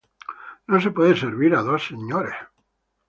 No se puede servir a dos senores.